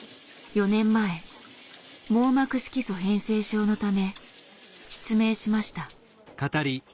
４年前網膜色素変性症のため失明しました。